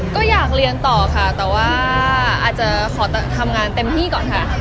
ก็อยากเรียนต่อค่ะแต่ว่าอาจจะขอทำงานเต็มที่ก่อนค่ะ